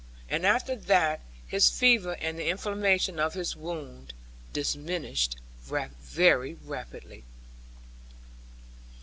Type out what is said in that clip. And after that his fever and the inflammation of his wound, diminished very rapidly.